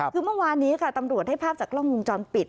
คือเมื่อวานนี้ค่ะตำรวจได้ภาพจากกล้องวงจรปิด